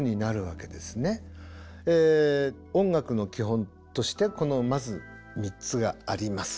音楽の基本としてこのまず３つがあります。